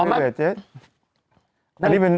อันนี้เป็น